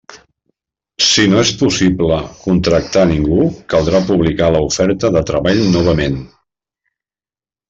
Si no és possible contractar a ningú, caldrà publicar l'oferta de treball novament.